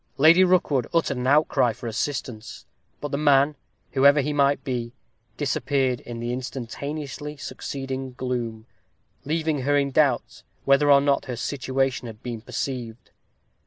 Lady Rookwood uttered an outcry for assistance; but the man, whoever he might be, disappeared in the instantaneously succeeding gloom, leaving her in doubt whether or not her situation had been perceived.